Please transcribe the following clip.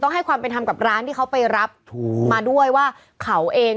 ให้ความเป็นธรรมกับร้านที่เขาไปรับถูกมาด้วยว่าเขาเอง